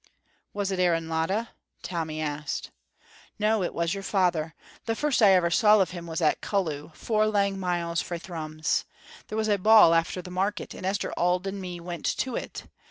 "Was it Aaron Latta?" Tommy asked. "No, it was your father. The first I ever saw of him was at Cullew, four lang miles frae Thrums. There was a ball after the market, and Esther Auld and me went to it.